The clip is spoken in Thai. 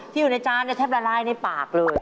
อยู่ในจานแทบละลายในปากเลย